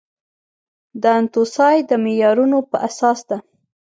د انتوسای د معیارونو په اساس ده.